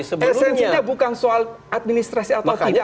esensinya bukan soal administrasi atau tidak